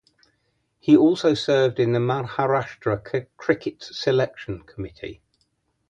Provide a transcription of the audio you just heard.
He also served in the Maharashtra cricket selection committee.